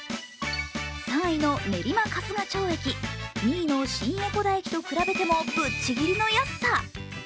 ３位の練馬春日町駅、２位の新江古田駅と比べてもぶっちぎりの安さ。